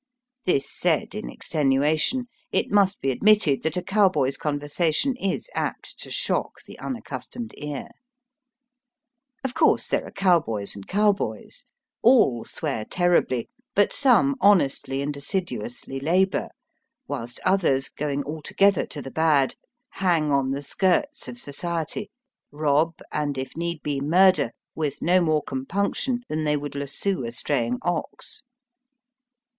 This said in extenuation, it must be ad mitted that a cowboy's conversation is apt to shock the unaccustomed ear. Of course there are cowboys and cowboys. All swear terribly, but some honestly and assiduously labour, whilst others, going alto gether to the bad, hang on the skirts of society, rob, and, if need be, murder with no more compunction than they would lassoo a straying ox.